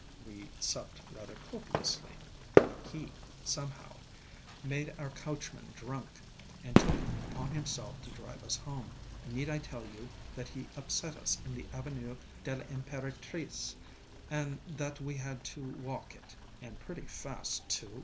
We supped rather copiously. He somehow made our coachman drunk, and took upon himself to drive us home. Need I tell you that he upset us in the Avenue de lŌĆÖImp├®ratrice, and that we had to walk it, and pretty fast too?